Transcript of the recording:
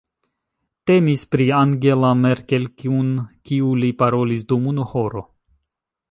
Temis pri Angela Merkel, kun kiu li parolis dum unu horo.